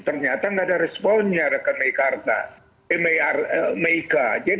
ternyata tidak ada responnya rekan mekarta m i r m i k